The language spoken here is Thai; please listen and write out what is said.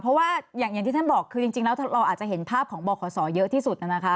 เพราะว่าอย่างที่ท่านบอกคือจริงแล้วเราอาจจะเห็นภาพของบขเยอะที่สุดนะคะ